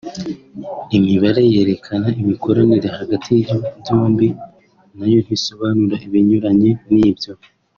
Imibare yerekana imikoranire hagati y’ibihugu byombi nayo ntisobanura ibinyuranye n’ibyo